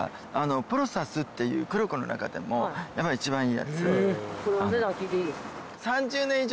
ポロサスっていうクロコの中でも一番いいやつ。